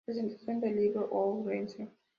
Presentación del libro "Ourense.